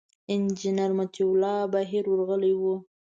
انجینر مطیع الله بهیر ورغلي و.